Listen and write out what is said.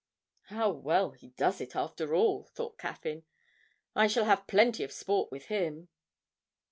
('How well he does it, after all!' thought Caffyn. 'I shall have plenty of sport with him.')